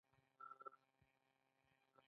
ګنډ افغاني کالي ګران دي